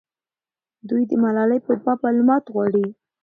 دوی د ملالۍ په باب معلومات غواړي.